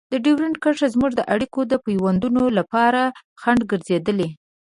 ډیورنډ کرښه زموږ د اړیکو او پيوندونو لپاره خنډ ګرځېدلې.